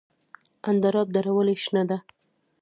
اندراب دره ولې شنه ده؟